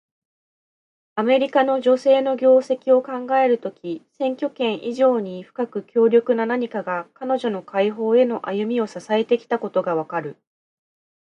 アメリカの女性の業績を考えるとき、選挙権以上に深く強力な何かが、彼女の解放への歩みを支えてきたことがわかる。